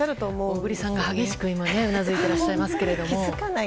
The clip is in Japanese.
小栗さんが激しくうなずいていらっしゃいますけど。